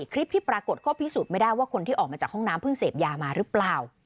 คลิปที่ปรากฏก็พิสูจน์ไม่ได้ว่าคนที่ออกมาจากห้องน้ำเพิ่งเสพยามาหรือเปล่า